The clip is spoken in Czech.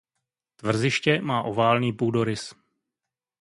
Tvrziště má oválný půdorys.